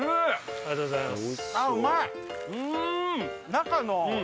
ありがとうございます。